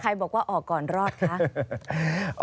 บอกว่าออกก่อนรอดคะ